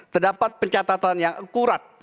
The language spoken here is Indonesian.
terdapat pencatatan yang akurat